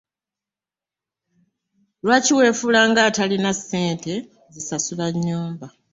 Lwaki weefula ng'atalina ssente zisasula nyumba?